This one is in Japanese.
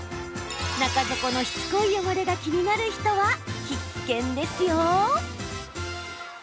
中底のしつこい汚れが気になる人は必見ですよ。